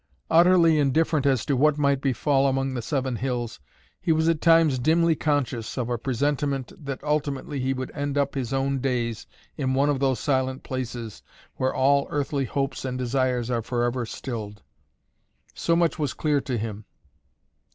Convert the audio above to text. Utterly indifferent as to what might befall among the Seven Hills, he was at times dimly conscious of a presentiment that ultimately he would end up his own days in one of those silent places where all earthly hopes and desires are forever stilled. So much was clear to him.